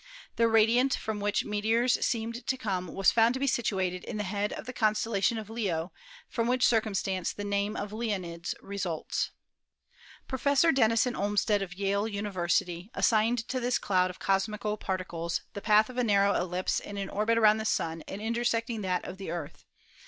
The radiant from which the meteors seemed to come was found to be situated in the head of the constel 250 ASTRONOMY lation of Leo, from which circumstance the name Leonids results. Professor Dennison Olmstead, of Yale University, assigned to this cloud of cosmical particles the path of a narrow ellipse in an orbit around the Sun and intersecting that of the Earth.